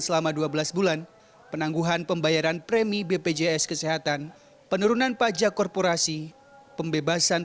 selama dua belas bulan penangguhan pembayaran premi bpjs kesehatan penurunan pajak korporasi pembebasan